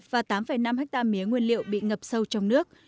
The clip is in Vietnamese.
và tám năm ha miếng nguyên liệu bị ngập sâu trong nước